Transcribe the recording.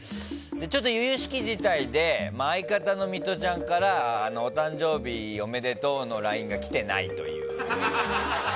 ちょっと由々しき事態で相方のミトちゃんからお誕生日おめでとうのＬＩＮＥが来てないという。